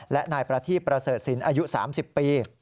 และนายประธิประเสริษินอายุ๓๐ปี